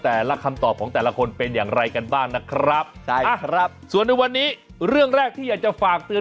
แต่ละคำตอบของแต่ละคนเป็นอย่างไรกันบ้างนะครับใช่ครับส่วนในวันนี้เรื่องแรกที่อยากจะฝากเตือน